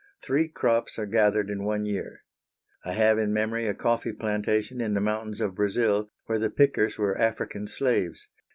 Three crops are gathered in one year. I have in memory a coffee plantation in the mountains of Brazil, where the pickers were African slaves.